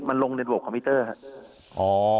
มันลงในระบบคอมพิวเตอร์ครับ